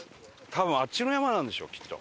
多分あっちの山なんでしょうきっと。